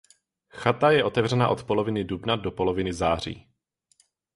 Chata je otevřená od poloviny dubna do poloviny září.